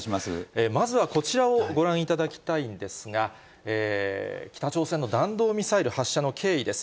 まずはこちらをご覧いただきたいんですが、北朝鮮の弾道ミサイル発射の経緯です。